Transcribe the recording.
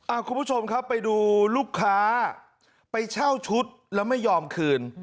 คุณผู้ชมครับไปดูลูกค้าไปเช่าชุดแล้วไม่ยอมคืน